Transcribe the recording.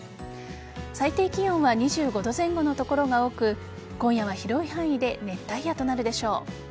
最低気温は２５度前後の所が多く今夜は広い範囲で熱帯夜となるでしょう。